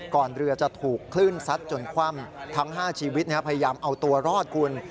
เรือจะถูกคลื่นซัดจนคว่ำทั้ง๕ชีวิตพยายามเอาตัวรอดคุณ